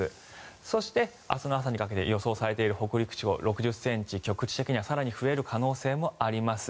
そして、明日の朝にかけて予想されている北陸地方は６０ｃｍ局地的には更に増える可能性もあります。